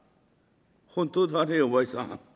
「本当だねお前さん。